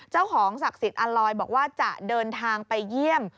เจ้าของศักดิ์สิทธิ์อัลลอยบอกว่าจะเดินทางไปเยี่ยม